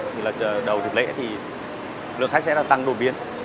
thì là đầu dự lễ thì lượng khách sẽ tăng đột biến